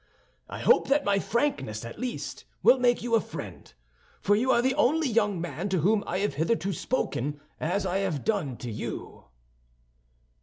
I hope that my frankness at least will make you my friend; for you are the only young man to whom I have hitherto spoken as I have done to you."